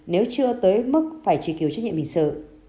nếu chưa tới mức phải truy cứu trách nhiệm hình sự